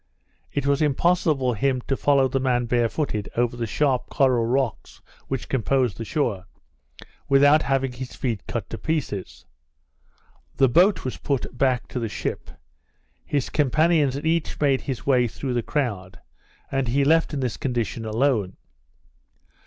It was impossible for him to follow the man barefooted over the sharp coral rocks, which compose the shore, without having his feet cut to pieces. The boat was put back to the ship, his companions had each made his way through the crowd, and he left in this condition alone.